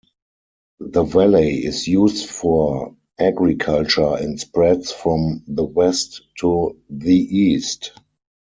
The valley is used for agriculture and spreads from the west to the east.